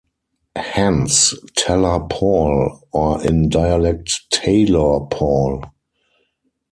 Hence "teller Paul" or in dialect "tailor Paul".